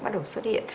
bắt đầu xuất hiện